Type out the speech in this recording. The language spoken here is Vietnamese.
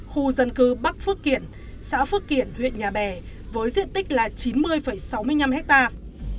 khu dân cư bắc phước kiển xã phước kiển huyện nhà bè với diện tích là chín mươi sáu mươi năm hectare